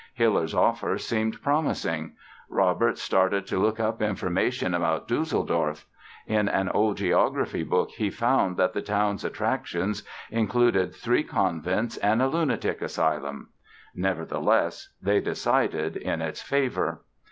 Hiller's offer seemed promising. Robert started to look up information about Düsseldorf. In an old geography book he found that the town's attractions included "three convents and a lunatic asylum". Nevertheless, they decided in its favor.